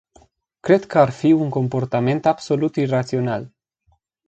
Cred că ar fi un comportament absolut irațional.